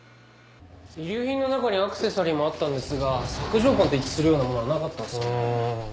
遺留品の中にアクセサリーもあったんですが索条痕と一致するようなものはなかったんですよね。